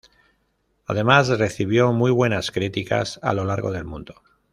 Además, recibió muy buenas críticas a lo largo del mundo.